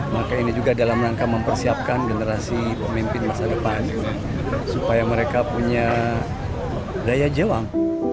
maka ini juga dalam rangka mempersiapkan generasi pemimpin masa depan supaya mereka punya daya jelang